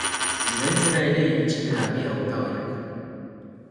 Iraintzera ere iritsi dira bi hautagaiak.